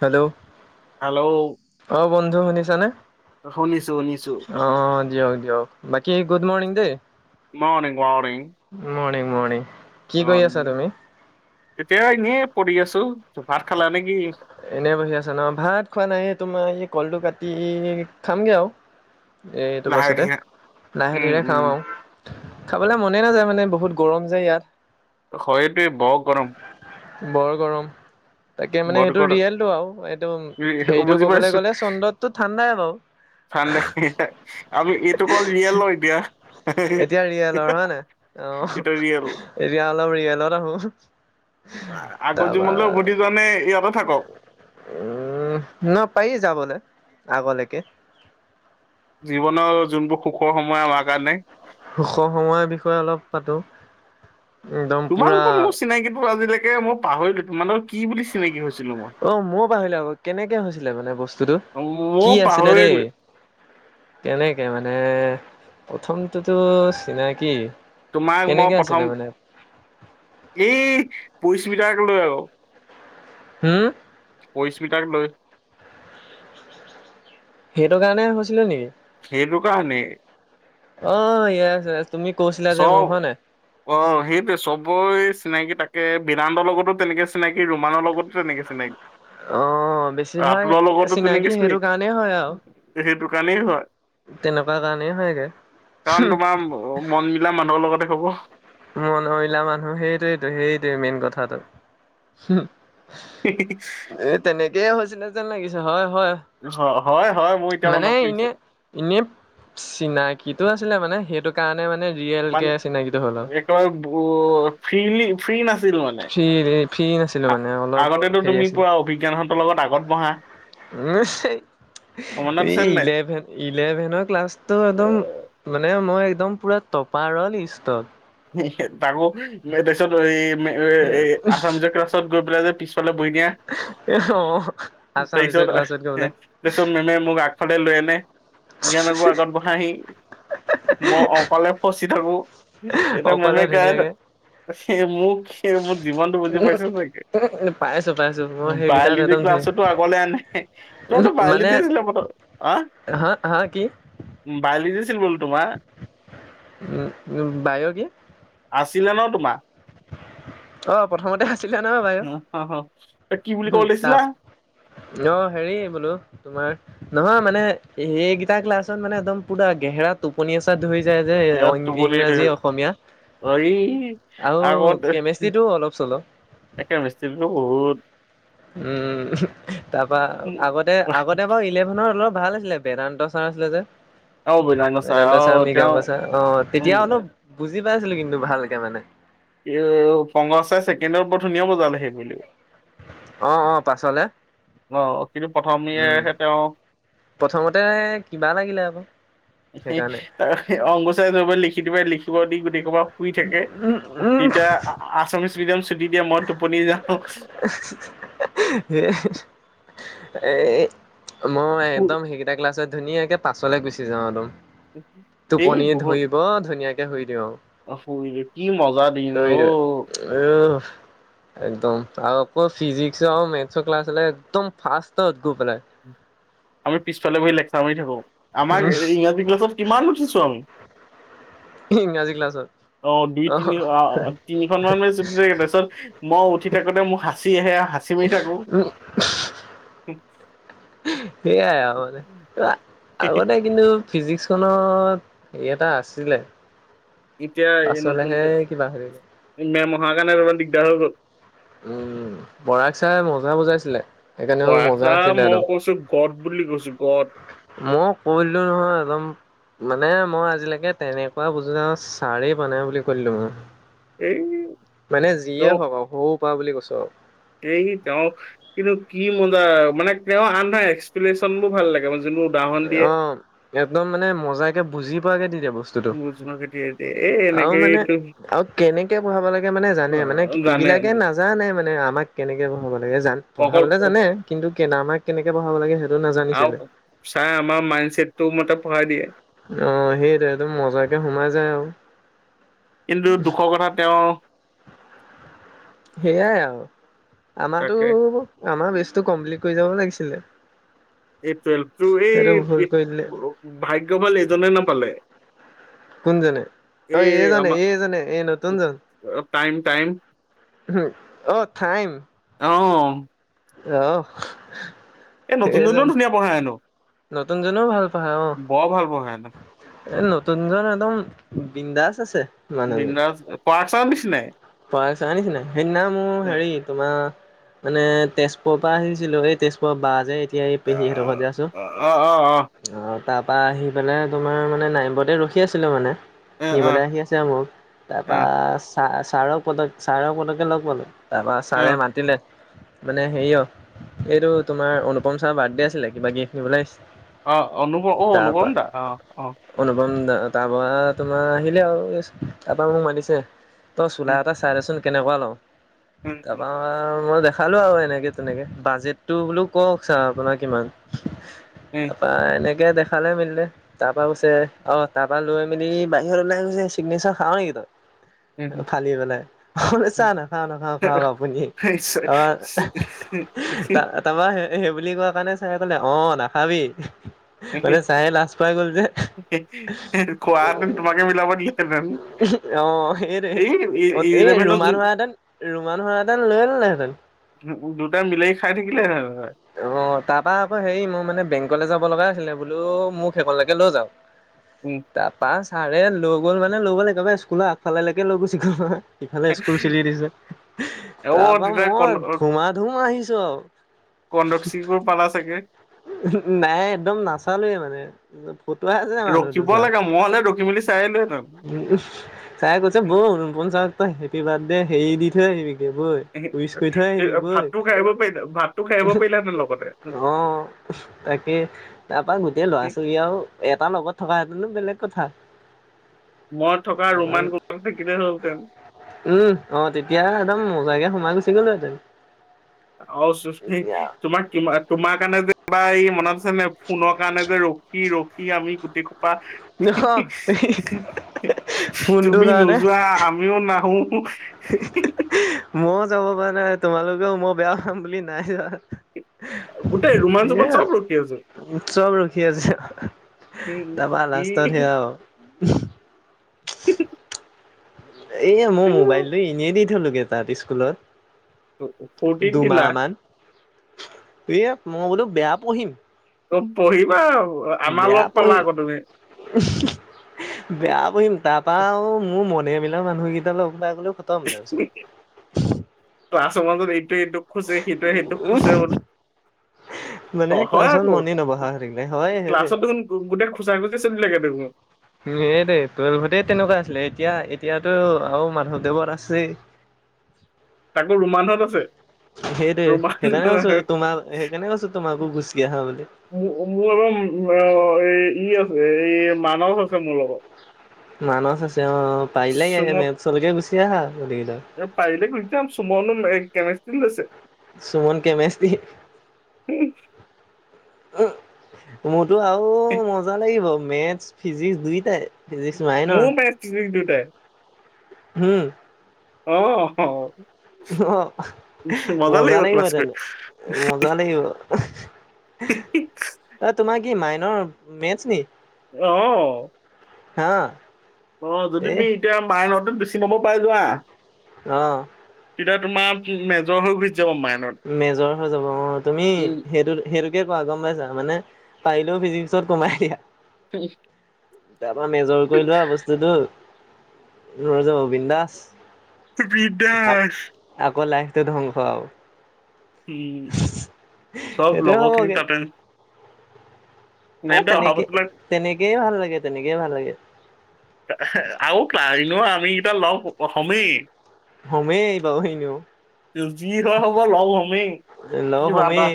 Hello? Hello? অ, বন্ধু শুনিছানে? শুনিছো শুনিছো অ, দিয়ক, দিয়ক বাকি গুড মৰ্ণিং দেই। মাৰনিং, মাৰণিং। মৰনিং। অ, এতিয়া এনেই পঢি আছো, ভাত খালা নেকি? এনেই বহি আছা ন, ভাত খোৱা নাই, তোমাৰ এই কলটো কাটি খামগে আৰু। এই, এইটো লাহে পাছতে ধীৰে লাহে, উম ধীৰে খাম উম আৰু। খাবলৈ মনে নাযায়, মানে বহুত গৰম যে ইয়াত। হয় দে বৰ গৰম। বৰ গৰম, তাকে মানে বৰ এইটো গৰম ৰিয়েল টো আৰু, এইটো ই- হেৰিতটো বুজি কবলৈ গ'লে চন্দ্ৰতটো ঠাণ্ডাই বাৰু ঠাণ্ডাই আমি এইটো কল ৰিয়েল হৈ দিয়া। এতিয়া ৰিয়েলৰ হয় এইটো ৰিয়েল নাই? অ, এতিয়া অলপ ৰিয়েলত আগৰ আহো। জীৱনলৈ উভতি যোৱা তাৰপা নে ইয়াতে থাকক উম, ন পাৰি যাবলৈ? আগলৈকে। জীৱনৰ যোনবোৰ সুখৰ সময় আমাৰ কাৰণে সুখ সময়ৰ বিষয়ে অলপ পাতো। একদম পুৰা তোমালোকৰ মোৰ চিনাকিটো আজিলৈকে মই পাহৰিলোঁ তোমালোক অ, মইও পাহৰিলোঁ আকৌ কেনেকে হৈছিলে মানে বস্তুটো ময়ো কি আছিলে দেই পাহৰিলো [unintelligible] কেনেকে মানে প্ৰথমটো চিনাকি তোমাক মই কেনেকে আছিলে প্ৰথম, মানে এই পৰীস্মিতাক লৈ আকৌ হম? পৰীস্মিতাক লৈ। সেইটো কাৰণে হৈছিলে নেকি? সেইটো কাৰণেই। অ, ইয়েচ ইয়েচ। চব অ সেইটোৱে চবৰে চিনাকি তাক কে বেদান্ত লগতো তেনেকে চিনাকি, ৰমানৰ লগতো তেনেকে চিনাকি। অ, অ, বেছিভাগ ৰাতুলৰ লগতো চিনাকি তেনেকে সেইটো কাৰণেই হয় আৰু চিনাকি সেইটো কাৰণেই হয় তেনেকুৱা কাৰণেই হয়গে। কাৰণ তোমাৰ মনবিলা মানুহৰ লগতে হ'ব। মনলা মানুহ সেইটোোৱেইটোো সেইটোৱে মেইন কথাটো। [unintelligible] [unintelligible] হৈছিলে যেন লাগিছে হয়। হয় [unintelligible] অ, হয়। হয় মোৰ এতিয়া মানে মনত পৰিছে এনে-এনে চিনাকিটো আছিলে মানে সেইটো কাৰণে মানে মানে ৰিয়েলকৈ চিনাকি হ'ল আৰু। [unintelligible] ফ্ৰী নাচিলোঁ মানে ফ্ৰী ফ্ৰী নাছিলো মানে অলপ আ-আগতেতো হেৰি তুমি আছিলে। পুৰা অভিজ্ঞানতৰ লগত আগত বঢ়া। [unintelligible] এই আছে নে ইলেভেন ইলেভেনৰ ক্লাছতটো একদম নাই মানে এ, মই একদম পুৰা টপাৰৰ লিষ্টত। তাকো তাৰপিছত এই [unintelligible] আছামিছৰ ক্লাছত গৈ পেলাই যে [unintelligible] দা অ'। আছামিছৰ ক্লাছত গৈ পেলাই তাৰপিছতাৰগালে [unintelligible] [unintelligible] লৈ আনে জ্ঞানকুৰ আগত বহাহি, মই অকলে ফচ [unintelligible] থাকোঁ, অকলে ধুনীয়াকে [unintelligible] মোক সেই মোক যিমানটো বুজি পাইছে চাগে, পাইছো পাইছো মই সেইকেইটাত বাইলজি একদম ক্লা ধুনীয়া [unintelligible] আগলে আনে, তইতো বাইও মানে লজি আছিলি প্ৰথম, আ? হা হা কি? [unintelligible] উম, উ, বায়' কি? আছিলে ন তোমাৰ? অ প্ৰথমতে আছিলে ন বায়' অ, অ, অ। তই কি বুলি উ, ক'ব লৈছিলা তাপ অ, হেৰি বোলোঁ তোমাৰ নহয় মানে এইেইকেইটা ক্লাছত মানে একদম পুৰা গেহেৰা টোপনি আচা ধৰি যে, যে, এ, টোপনি ইংৰাজী, ধৰিল। অসমীয়া এই আৰু আগত মেষ্টটো অলপ, চলপ। উম। উম, তাৰপা আগতে, আগতে বাৰু ইলেভেনৰ অলপ ভাল আছিলে, বেদান্ত চাৰ আছিলে যে। আৰু বৈদান আছে বদন্দা আৰু চা তেওঁ মৃগাংগ চা, অ, উম তেতিয়া হলোজ বুজি পাইছিলো কিন্তু ভালকে মানে এ, ফংগ চাই ছেকেণ্ডৰ বৰ ধুনীয়া বজালে, সেই বুলিও। অ', অ', পাছলে। অ, কিন্তু উম প্ৰথমেহে তেওঁ প্ৰথমতে কিবা লাগিলে আকৌ [unintelligible] সেইকাৰণে ত, অংকচাৰব লিখি কেতিয় লিখিব দি গোট ক'বা শুই থাকে উম [unintelligible] তেতিয়া আমি ছুটি দিয়া, মই টোপনি যাওঁ। এ, মই শু- একদম সেইকেইটা ক্লাছত ধুনীয়াকে পাছলে গুচি যাওঁ একদম। টোপনি ধুইব ধুনীয়াকে শুই দিওঁ। অ, ফ, কি মজা দিন আৰু। অ'। উহ একদম আৰু আকৌ ফিজিক মেথৰ ক্লাছ হ'লে একদম ফ, গৈ পেলাই। [inaudible] উম। আমি পিছফালে বহি লেকচাৰ মাৰি থাকো। উম আমাক ইংৰাজী ক্লাছত কিমান উঠিছো আমি ইংৰাজী ক্লাছত। অ, দুই, তিনি অ, তিনিখন মান মানে যদি থাকে। তাৰপিছত মই উঠি থাকোতে মোক সাঁচি আহে। চিমিটক উম সেইয়াই আ, মানে আগতে কিন্তু ফিজিক্সখনত এই, এটা আছিলে। ইতিয়া পাছলেহে এইনকন্তে কিবা হেৰি মেম, হ, কাৰ, ন, ৰোৱি ডহটো। উম, বৰাক চাই মজা বুজাইছিলে সেইকাৰণেও মজা আছিল দে। গৰ বুলি কৈ। মই কৰিলো নহয় একদম। মানে মই আজিলৈকে তেনেকুৱা বুজো যাওঁ। ছাৰেই বনাই বুলি কলো মই এই মানে যিয়ে হওক আৰু সৰু পৰা বুলি কৈছো আৰু। সহি তেওঁ কিন্তু, কি মজা মানে, তেওঁ আনধৰ এক্সপ্লেনেশচন বোৰ ভাল লাগে মান যোনটো অ, একদম মানে মজ কে, বুজি পোৱাকে দি বস্তুটো জোনাক এতিয়া এ আৰু এনেকে মানে এইটো আৰু কেনেকে পঢ়াব লাগে মানে জানে মানে। জানে এইবিলাকে নাজানে মানে আমাক কেনেকে পঢ়াব লাগে জান অকল পঢ়াবলে জানে কিন্তু কে, আমাক কেনেকে পঢ়াব লাগে, সেইটো আৰু নাজানিছিলে। চাই আমাৰ মাইণ্ড চছেট টো মতে পঢ়াই দিয়ে। অ, সেইটো একদম মজাকে সোমাই যায় আৰু। কিন্তু দুখৰ কথা তেওঁ সেইয়াই আৰু আমাৰো তাকে আমাৰ বেচটো কমপ্লিট কৰি যা'ব লাগিছিলে। এই টুৱেলভটো এই সেইটো ভুল কৰি দিলে। ভাগ্যয় ভাল এজনে নাপালে। কুঞজনে অঐ, এই এইজনে আমাৰ এইজনে এ, ন, তুঞজন। টাইম, টাইম উম, অ, টাইম। অ'। অহ। এই নতুন, নতুন ধুনীয়া পঢ়ােনো। নতুন জনেও ভাল পায় অ, ভাল পঢ়াই হেনো এ, নতুনজন একদম। বিন দাস আছে। বিন্দাচ পাচ পছ নিচিনা সেইদিনা মোৰ হেৰি তোমাৰ মানে, তেজপুৰৰ পৰা আহিছিলোঁ। এই তেজপুৰৰ বাহ যে। এতিয়া, এই অ পেহীহঁতৰ ঘৰতে অ অ অ আছোঁ। তাৰপৰা আহি পেলাই তোমাৰ মানে, নাইমবৰতে ৰখি আছিলোঁ মানে। এ অ নিবলৈ আহি আছে আৰু মোক। অ তাৰপা ছাৰ, ছাৰক পটকে ছাৰক পটকে লগ পালোঁ। তাৰপৰা অ ছাৰে মাতিলে। মানে, হেৰি অ', এইটো তোমাৰ অনুপম ছাৰ বাৰ্থডে আছিলে। কিবা [unintelligible] অ', অনুপম অ', অনুপম তাৰপা দা অ', অ'। অনুপম তাৰপৰা তোমাৰ আহিলে আৰু, তাৰপৰা মোক মাতিছে। তই চোলা এটা চাই দেচোন। কেনেকোৱা লওঁ? তাৰাপা আৰু মই দেখ খালোঁ আৰু এনেকে তেনেকে। বাজেটটো বোলো কওঁক ছাৰ আপোনাৰ কিমান। তাৰপা এনেক তে, দেখালে মেলিলে, তাৰপা গুচছে অ', তাৰপা লৈ মেলি বাহিৰত ওলাই গৈছে, চিগনেচাৰ খাৱ নেকি তই। [inaudible] ফালি পেলাই, চাৰ নাখাওঁ, নাখাওঁ, খাওঁক আপুনি। আমাৰ তা তাৰপা সেই বুলি কোৱা কাৰণে চাৰে ক'লে অ', নাখাবি। মানে, চাৰে লাজ পাই গ'ল। যে খোৱা হেঁতেন তোমাকে মিলাব দিলে হেঁতেন। অ', সেইটোৱে অ', এই ৰুমাল ধৰা হেঁতেন, ৰুমাল ধৰা হেঁতেন লৈয়ে ল'লে হেঁতেন। উ, দুটাই মিলাই খাই থাকিলে হেঁতেন। অ', তাৰপা আকৌ হেৰি, মোৰ মানে বেংকলে যাব লগা আছিলে, বোলো, মোক সেইকনলৈকে লৈ যাওঁক। উম তাৰপা চাৰে লৈ গ'ল মানে, লৈ গ'ল, একেবাৰে স্কুলৰ আগফালেলেকে লৈ গৈচি গ'ল নহয়। সিফালে স্কুল ছুটি দিছে। অ তাৰপা তেতিয়া মই ধুমা ধুমা আহিছোঁ আৰু। কণ্ডকচিবোৰ পালা চাগে। উ, হুম, নাই একদম নাচালোঁৱে মানে, [unintelligible] ফুটুৱা এ যে মানুহটো ৰখিব চাৰ। লাগে মই হলে ৰখি মেলি চাই আহিলোহেঁতেন উম, চাৰে কৈছে, ব'ল ৰূপম ছাৰক তই হেপ্পী বাৰ্থডে হেৰি দি থৈ আহিবি। এইবোৰে ঐ, ৱিছ কৰি থৈ আহিবি বৈ। ভাতটো খাই আহিব পাৰিলা ভাতটো খাই আহিব উম, পাৰিলাহেঁতেন লগতে হম, অ'। তাকে। তাৰপা গোটেই ল'ৰা-ছোৱালী আৰু এটাৰ লগত থকা হেতেনো বে বেলেগ কথা। মই থকা ৰোমান [unintelligible] থাকিলে হ'লহেঁতেন। উম, অ', তেতিয়া একদম মজাকে সোমাই গুচি গ'লোহেঁতেন। অ', চুচথি, এতিয়া তোমাৰ কিমা, তোমাৰ কাৰণে যে তাৰপা এই মনত আছে নে? ফোনৰ কাৰণে যে ৰখি ৰখি আমি গোটেই পা, হি‌, হি‌, অ', হি, হি, ফোনটোৰ তুমি নোযোৱা, আমিও নাহোঁ। হি, হি‌, হি, মইও যাব পৰা নাই। তোমালোকেও মই বেয়া পাম বুলি নাই যোৱা। [unintelligible] ৰোমান চোমান এয়া চব ৰখি আছো মোক চব ৰখি আছে। অহ, অহ। তাৰপা লাষ্টত সেয়া আৰু। উঃ। [unintelligible] এয়া, মই ম'বাইলটো ফূৰ্তিত এনে দি থলোগে, তাত স্কুলত। অ', অ', ফৰ্টিত দিলা। এয়া, মই বোলোঁ বেয়া পঢ়িম। অ', পঢ়িবা আৰু, আমাৰ লগ পালা আকৌ তুমি। উম, হুম, বেয়া পঢ়িম। তাৰ পৰা আৰু মোৰ মন ফেমিলা মানুহকেইটা লগ পাই গ'লোঁ, খটম তাৰপিছত। তোমালোক এইটোৱে এইটোক খুঁচে, সেইটোৱে সেইটোক খুঁচে ব মানে অ', হয় ক্লাছত আকৌ। মনে নবহা হৈ থাকিলে হয় সেইটোৱে। ক্লাছত দেখোন গোটেই খুঁচা-খুঁচি চলি থাকে। [unintelligible] উম, এই দে। টুৱেলভতে তেনেকুৱা আছিলে, এতিয়া এতিয়াতো আৰু মাধৱদেৱত আছেই। [inaudible] আৰু ৰোমান হত আছে। সেইটোৱে। ৰোমান সেইকাৰণে কৈছোঁ তোমাক, সেইকাৰণে কৈছোঁ তোমাকো গুচি আহা বুলি। মোৰ অ', মোৰ ম', অ', আ' এই, ই আছে, এই মানস আছে মোৰ লগত। মানস আছে অ', অ'। পাৰিলে চুমক মেথচলৈকে গুচি আহা, গোতেইকেইটা। পাৰিলে গুচি যাম চুমনো ম' এই কেমিষ্ট্ৰ্ৰীত লৈছে। সুমন কেমিষ্ট্ৰ্ৰী। উম, ম- ৰো আৰু মজা লাগিব। মেথচ, ফিজিক্স দুইটাই। ফিজিক্স মোৰো মেথচ, ফিজিক্স দুইটাই। ‌ হম? অহ, অ'। হি, মজা লাগিব ক্লাছ কৰি, হি‌‌ হি। মজা লাগিব অ' তোমাৰ কি, মাইনৰ মেথচ নি? অহ। হা? অহ, যদি এ তুমি এতিয়া মাইনৰতে বেছি নম্বৰ পাই যোৱা- অহ। তেতিয়া তোমাৰ ম' মেজৰ হৈ গু- মেজৰ হৈ যাব অ'। তুমি উম, সেইটোত সেইটো- সেইটোৱে কৰা গম পাইছা। মানে, পাৰিলেও ফিজিক্সত কমাই দিয়া। হম। তাৰপৰা মেজৰ কৰি লোৱা বস্তুটো। ৰৈ যাব বিন্দাচ। আ' বিন্দাছ আকৌ লাইফটো ধ্বংস আৰু। উম, চব সেইটোৱে লগৰ খিনিক হ'বগে তাতে এ, সিহঁতে অহা তেনেকেই বছৰলৈ তেনেকেইে ভাল লাগে, তেনেকেই ভাল লাগে। আৰু [unintelligible] আমি কেইটা লগ হমেই। হমেই বাৰু এনেও। যি হয় হব লওঁ আমি লগ কি বা হোমেই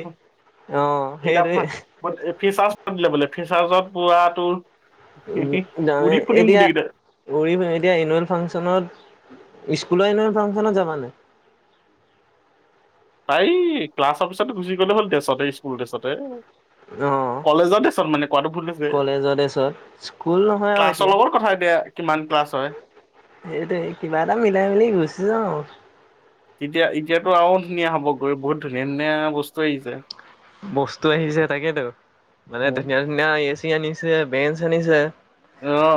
অ এটা সেইটোৱে এতিয়া [unintelligible] পাতিলে বোলে ফেচাৰ্জ পোৱাটো। উ, [unintelligible] এতিয়া [unintelligible] এতিয়া এনুৱেল ফাংচনত স্কুলৰ এনুৱেল ফাংচনত যাবা নাই? পাৰি ক্লাছ অফিচত গুচি গ'লে হল ড্ৰেছতে স্কুল ড্ৰেছতে। অহ, কলেজৰ ড্ৰেছত মানে কোৱাটো ভুল হৈছে, ড্ৰেছত স্কুল নহয় আৰু ক্লাছৰ এতিয়া। লগত কথা এতিয়া কিমান কে ক্লাছ হয়। সেইটোৱেই কিবা এটা মিলাই মেলি গুচি যাম আৰু। তেতিয়া এতিয়াতো আৰু ধুনীয়া হ'ব গৈ বহুত ধুনীয়া ধুনীয়া বস্তু আহিছে। বস্তু আহিছে তাকেতো মানে অ ধুনীয়া ধুনীয়া এ চি আনিছে বেঞ্চ আনিছে অ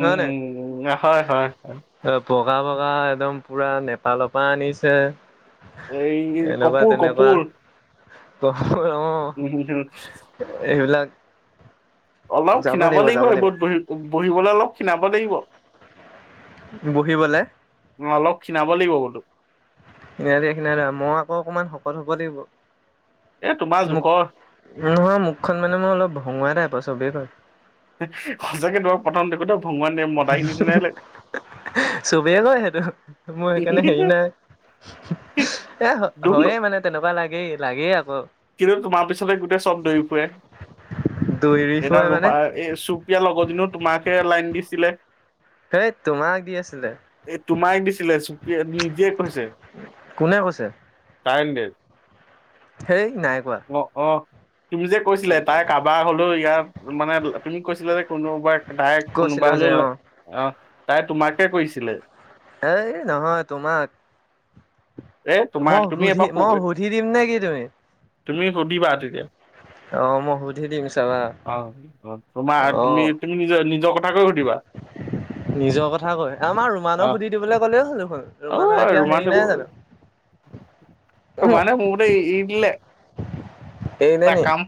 উম উম হয় হয় হয় অ বগা বগা একদম পুৰা নেপালৰ পৰা আনিছে এই এনেুকুৱা কপোৰ তেনেুকুৱা কপোৰ উম হম [unintelligible] এইবিলাক অলপ খিনাব লাগিব এইবোৰ বহি বহিবলে অলপ খিনাব লাগিব। বহিবলে। খিনাব লাগিব বোলোঁ। [unintelligible] মই আকৌ অকমান শকত হ'ব লাগিব। এ তোমাৰ মখ- জোখৰ নহয় মুখখন মানে মই অলপ ভঙুৱা টাইপৰ চবেই কই। সঁচাকে তোমাক প্ৰথম দেখোত ভঙুৱা [unintelligible] মদাহি নিচিনাই লাগি চবেই কয় সেইটো মোৰ সেইকাৰণে হেৰি নাই এ, দুখ ন হয়ে মানে তেনেকুৱা লাগেই। লাগেই আকৌ কিন্তু তোমাৰ পিছতে গোটেই চব দৰি ফুৰে। দৌৰি এটা ফুৰে মানে ৰূপা এই চুপীয়াৰ লগৰজনো তোমাকে লাইন দিছিলে। সেই তোমাক দি আছিলে এ, তোমাই দিছিলে চুপ নিজে কৈছে। কোনে কৈছে? তাই হণ্ড্ৰেড সেই নাই কোৱা। তুমি যে কৈছিলা তাই কাবাৰ হলেও ইয়াত মানে তুমি কৈছিলা যে কোনোবাই তাই কোনোবা কৈছিলো যে হলেও অ অ, তাই তোমাৰকে কৰিছিলে। এ, নহয় তোমাক এ তোমাক মই তুমি সুধি, এবাৰ মই সু- সুধি দিম নে কি তুমি? তুমি সুধিবা তেতিয়া অ মই সুধি দিম চাবা অ, তোমাৰ অ তুমি, তুমি নিজৰ, নিজৰ কথা কাকৈ ঘধিবা নিজৰ কথা কয় আমাৰ ৰুমানক সুধি দিবলৈ ক'লেও দেখোন ৰুমানৰ এতিয়া হেৰি নাই জানো। ত, উম মানে মৰে ইল এৰিলে তাৰ নি কাম,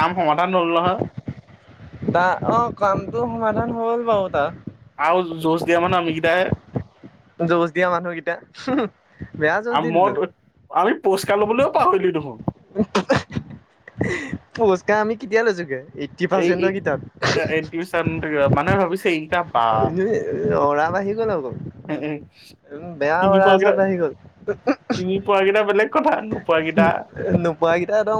কাম সমাধান হলো নহয়। তাৰ অ, কামটো সমাধান হ'ল বাৰু তাত। আহ জোশ দিয় মানেমকদ যুজ দিয়া মানুহকেইটা বেয়া যুজ আৰু মই দিলো। আমি পুৰস্কাৰ ল'বও পাহৰিলি নহয়। পুৰস্কাৰ আমি কেতিয়া লৈছোগে। এই এইট্টি এ টিউচন পাৰ্চেণ্টৰ মানুহে কিতাপ ভাবিছে ইটা বা এ, অৰা আহি গ'ল আকৌ। উম, বেয়া চিনি কৰাৰা পোৱা কেইটা আছ আহি চিনি গ'ল। পোৱা কেইটা বেলেগ কথা নোপোৱা কেইটা নো, উপোৱা কেইটা একদম।